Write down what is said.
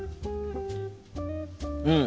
うん。